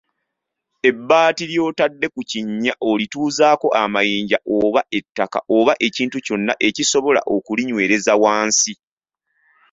Ebbaati ly'otadde ku kinnya olituuzaako amayinja oba ettaka oba ekintu kyonna ekisobola okulinywereza wansi.